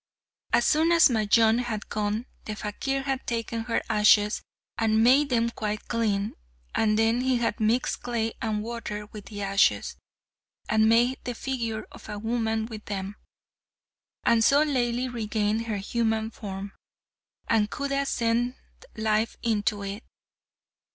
As soon as Majnun had gone, the fakir had taken her ashes and made them quite clean, and then he had mixed clay and water with the ashes, and made the figure of a woman with them, and so Laili regained her human form, and Khuda sent life into it.